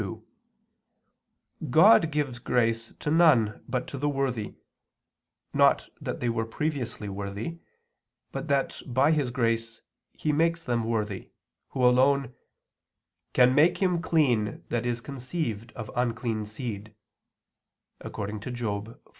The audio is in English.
2: God gives grace to none but to the worthy, not that they were previously worthy, but that by His grace He makes them worthy, Who alone "can make him clean that is conceived of unclean seed" (Job 14:4).